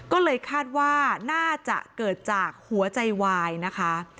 ก็เลยคาดว่าน่าจะเกิดจากหัวใจวายนะคะ